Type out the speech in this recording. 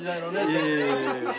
いえいえ。